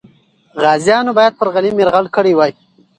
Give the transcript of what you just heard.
غازیان باید پر غلیم یرغل کړی وای.